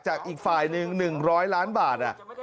อีกฝ่ายหนึ่ง๑๐๐ล้านบาท